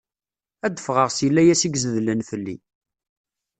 Ad d-ffɣeɣ seg layas i izedlen fell-i.